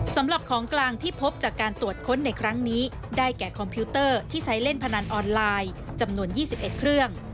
สำหรับของกลางที่พบจากการตรวจค้นในครั้งนี้ได้แก่คอมพิวเตอร์ที่ใช้เล่นพนันออนไลน์จำนวน๒๑เครื่อง